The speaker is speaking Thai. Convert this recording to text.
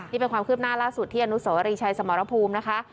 นี่เป็นความคืบหน้าล่าสุดที่อนุสวรีชัยสมรภูมินะคะ